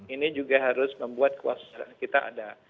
ini juga harus membuat kewassadaran kita ada